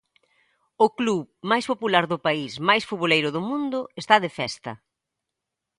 O club máis popular do país máis futboleiro do mundo está de festa.